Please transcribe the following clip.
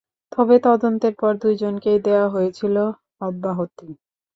তবে তদন্তের পর দুজনকেই দেওয়া হয়েছিল অব্যাহতি।